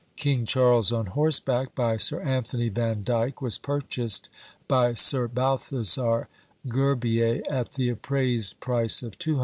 King Charles on horseback, by Sir Anthony Vandyke, was purchased by Sir Balthazar Gerbier, at the appraised price of £200.